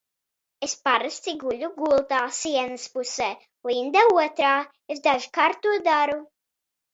Es parasti guļu gultā sienas pusē, Linda otrā. Es dažkārt to daru.